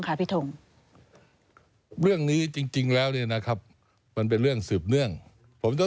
ค่ะพี่ทงเรื่องนี้จริงจริงแล้วเนี่ยนะครับมันเป็นเรื่องสืบเนื่องผมต้อง